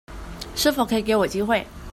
是否可以給我機會